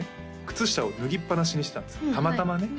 靴下を脱ぎっぱなしにしてたんですたまたまね